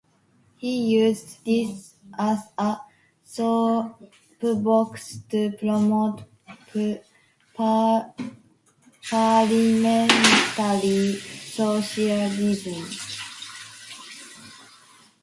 He used this as a soapbox to promote parliamentary socialism.